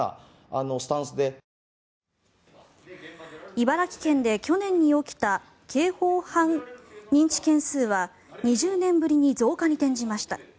茨城県で去年に起きた刑法犯認知件数は２０年ぶりに増加に転じました。